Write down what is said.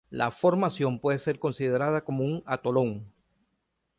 La formación puede ser considerada como un atolón.